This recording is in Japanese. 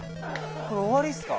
これ終わりですか？